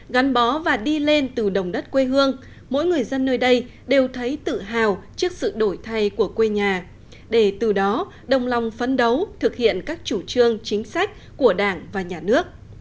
gắn bó và đi lên từ đồng đất quê hương mỗi người dân nơi đây đều thấy tự hào trước sự đổi thay của quê nhà để từ đó đồng lòng phấn đấu thực hiện các chủ trương chính sách của đảng và nhà nước